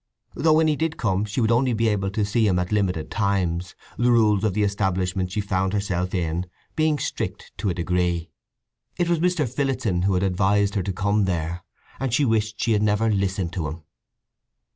—though when he did come she would only be able to see him at limited times, the rules of the establishment she found herself in being strict to a degree. It was Mr. Phillotson who had advised her to come there, and she wished she had never listened to him.